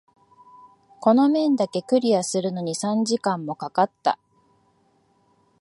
この面だけクリアするのに三時間も掛かった。